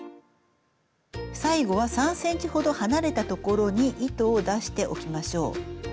最後は３ｃｍほど離れた所に糸を出しておきましょう。